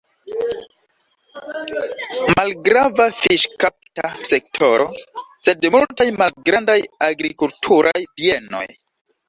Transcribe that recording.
Malgrava fiŝkapta sektoro, sed multaj malgrandaj agrikulturaj bienoj.